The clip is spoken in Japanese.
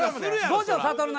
五条悟。